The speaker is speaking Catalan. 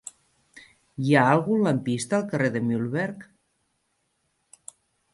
Hi ha algun lampista al carrer de Mühlberg?